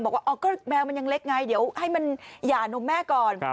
บอกว่าอ๋อก็แมวมันยังเล็กไงเดี๋ยวให้มันหย่านมแม่ก่อน